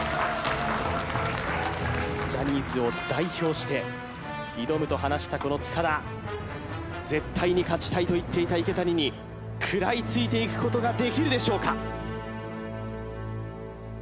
ジャニーズを代表して挑むと話したこの塚田絶対に勝ちたいと言っていた池谷に食らいついていくことができるでしょうか？